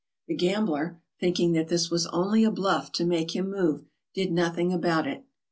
The gambler, thinking that this was only a bluff to make him move, did nothing about it.